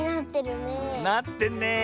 なってんねえ。